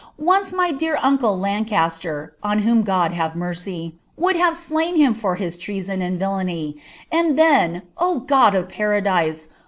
" Once mg dexr uncle Lancaster (on whom God have mercy) would have slain hiB I for bis treason and villany, and then, 0 God of Paradise